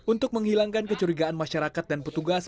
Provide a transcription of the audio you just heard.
untuk menghilangkan kecurigaan masyarakat dan petugas